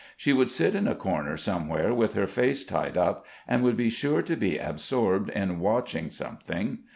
She would sit in a corner somewhere with her face tied up, and would be sure to be absorbed in watching something.